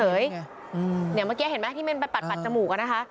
เนี่ยเมื่อกี้เห็นไหมที่มันไปปัดจมูกกันนะคะ